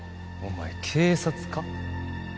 お前警察か？